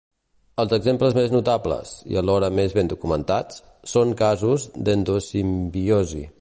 Els exemples més notables, i alhora més ben documentats, són casos d'endosimbiosi.